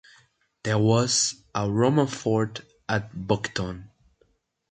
There was a Roman fort at Buckton.